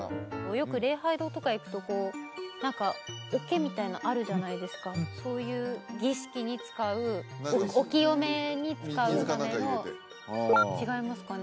よく礼拝堂とか行くとこう何かおけみたいなのあるじゃないですかそういう儀式に使うお清めに使うための水か何か入れて違いますかね？